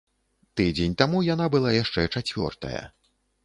Тыдзень таму яна была яшчэ чацвёртая.